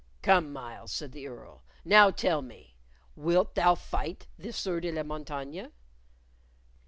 "Come, Myles," said the Earl; "now tell me: wilt thou fight the Sieur de la Montaigne?"